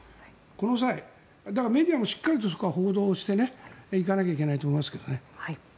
この際、だからメディアもしっかりそこは報道していかなきゃいけないと思いますけどね。